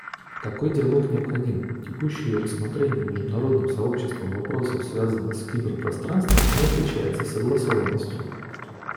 Такой диалог необходим; текущее рассмотрение международным сообществом вопросов, связанных с киберпространством, не отличается согласованностью.